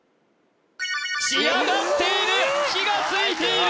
仕上がっている火がついている！